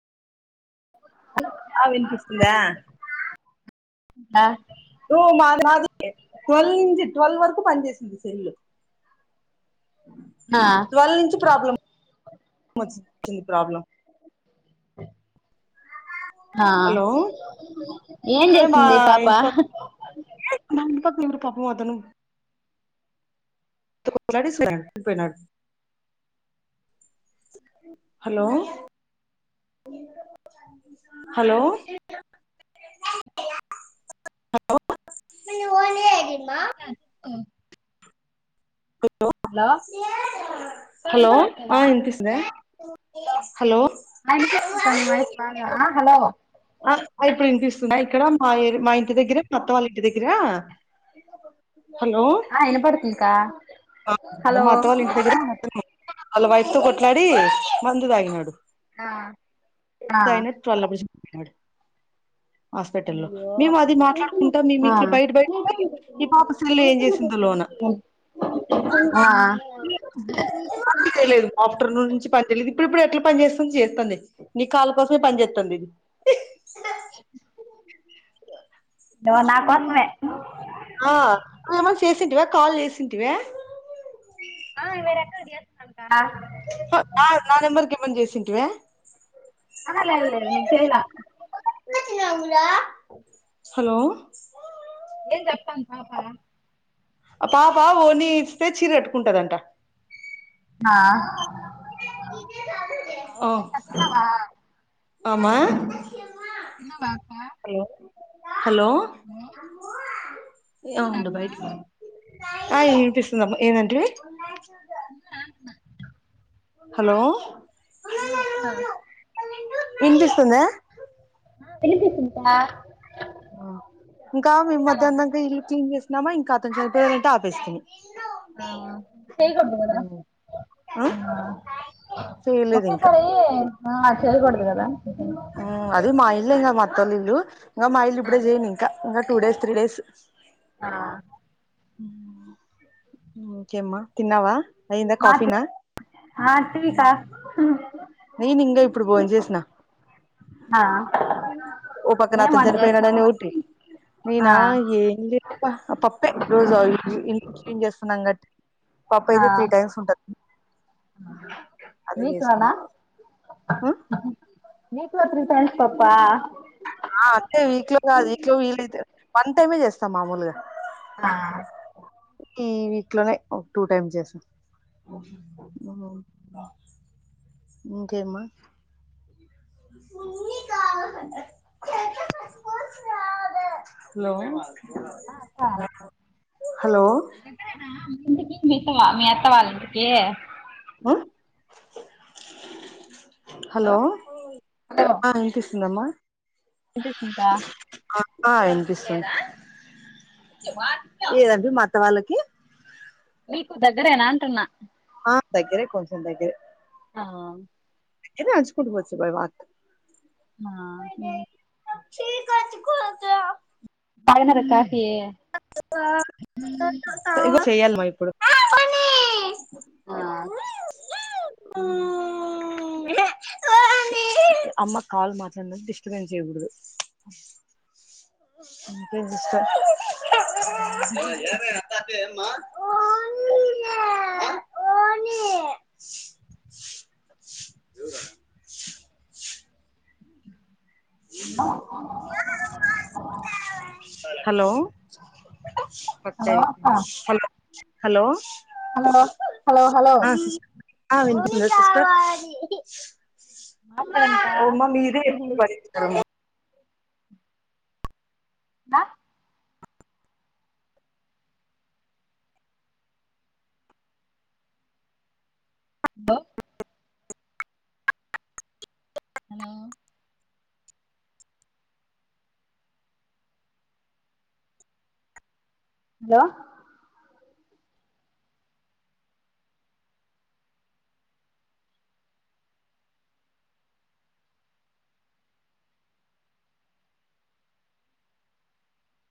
ఆ వినిపిస్తుందా ఆ అలా ట్వెల్ నుంచి ట్వెల్వ్ వరకు పనిచేసింది సెల్లు ఆ ట్వల్వ నుంచి ప్రాబ్లమ్ ది ప్రాబ్లం ఆ హలో ఏం ఇక్కడే మా చేసింది పాప ఇంటి పక్క మా ఇంటి పక్కన పాపం ఎవరో అతను మాతో కోట్లాడేసి పోయినాడు హలో హలో [unintelligible] హలో అక్క హలో ఆ వినపట్లేదా వినిపిస్తుందా హలో ఆ వినిపిస్తుందిక్క నీ వాయిస్ బాగా హలో ఆ ఆ ఇప్పుడు అనిపిస్తుందా ఇక్కడ మా మా ఇంటి దగ్గర మా అత్త వాళ్ళ ఇంటి దగ్గరా ఆ ఎన పడుతుందికా మాత్తవాలళ ఇంటి దగ్గర మత్ర అల్ వైతు కొట్లాడి మంద దగినడు ఆ ఆ స హాస్పిట లో అయ్యో మేము అది మాట్లాడుకుంటా మీ ఆ మీట్ బయట బయట ఈ పాప స్లు ఏం చేసిందో లోన ఆ లేదు ఆఫ్టర్నూన్ నుంచి పని చేయలేదు ఇప్పుడు ఇప్పుడు ఎట్లా పని చేస్తుంది చేస్తంది నీ కాల్ దమే ప ఎత్తంందిది ను నా కోసమే ఆ నువ ఏమ చేసింటివా కాల్ చేసింటివ ఆవేర ఎక్క చేన్నాంట నాెమర్కెమంది చేసింటివే అలా వెదర న చేయనా రా ఓ హలో ఏం చెప్పతను పాప అ పాపా ఓణి ఇస్తే చీర గట్టుకుంటదంట. ఆ ఓ అమా తినవా అక్క హలో తిన్నారా అక్క ఆ వినిపిస్తుంది ఏనంట హలో హలో అక్క వినిపిస్తుందా వినిపిస్తుంటా ఇంకా మేం మధ్యాహ్నంకా ఇళ్ళు క్లీన్ జేస్ నామ్మా ఇంకా అతను చంపోయ అంటే ఆపేస్తుని ఆకంటదా ఉమ్ ఆ ఒకట్ట తారయ ఆ చేయకూడదు కదా ఉ అది మా ఇల్లే నా మా అత్తో ల్ల ఇల్లు ఇంకా మా ఇల్లు ఇప్పుడే చేయ్యను ఇంకా ఇంకా టూ డేస్ త్రీ డేస్ ఆ ఉ ఇంకేం తిన్నావా అయిందా మా క కాఫీనా అంటి క నేను ఇంకా ఇప్పుడు భోన్ చేసిన ఆ ఓ పక్కన ఏం అతను వంట చేసినావు చనిపోయినాడని ఒకటి ఆ నేనా ఏం లేప్ప ఆ పప్పే రోజు ఇ ఏం చేస్తున్నా గటి పాప అయితే త్రీ టైమ్స్ ఉంటంది అదే మీట్ వణ చేసినం అ నకుత్రి తెన్స్ పప్ప ఆ అంటే వీక్ లో కాదు వీక్ లో వీలఐతే వన్ టైమే చేస్తాం మామూలుగా ఆ ఉమ్ ఇంట్లనే ఒక టూ టైమ్స్ జేస్త ఓ ఇంకే మా హలో అక్క హలో దగ్గరేనా ఇంతకీ నువెల్తవా మీ అత్తవాళ్ళైంటికి? ఆ హలో ఉందమ్మా ఎది సీందా ఆ వినిపిస్తుంది ఏదండి మ అత్త వాళ్ళకి మీకు దగ్గరేనా అంటున్నా దగ్గరే కొంచెం దగ్గర ఆ ఏద ఆజకు వచ్చ భై వా ఆ అచ్చి [unintelligible] తగినార కాఫీ ఇగొ చెయ్యలి మా ఇప్ ఇప్పుడు ఆ అమ్మా కాల్ మాట్లాడిన డిస్టబన్స్ జేయగూడదు. అంతె జుస్త ఓని ఓని ఎవురు అ హలో హలో పచ్చయితే అక్క స్ హలో హలో హలో హలో అవ మాట్లాడనుకా ఒమ్మ మీదే ఎచ్చ బరితుంది నా హో హలో హలో